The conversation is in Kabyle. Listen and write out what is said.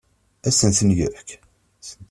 Ad asen-ten-yefk?